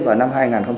vào năm hai nghìn bảy